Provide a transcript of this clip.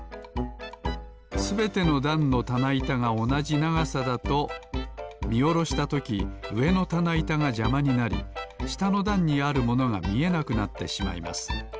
すべてのだんのたないたがおなじながさだとみおろしたときうえのたないたがじゃまになりしたのだんにあるものがみえなくなってしまいます